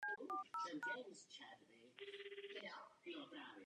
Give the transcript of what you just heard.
Bart se vrátí z Francie jako hrdina a umí mluvit plynně francouzsky.